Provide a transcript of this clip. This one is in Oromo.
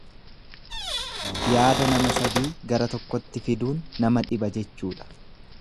Yaada nama sadii gara tokkotti fiduun nama dhiba jechuudha.